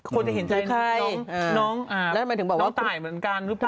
ควรจะเห็นใจน้องตายเหมือนกันหรือเปล่า